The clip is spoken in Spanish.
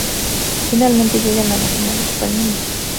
Finalmente llegan a la zona de Palmilla.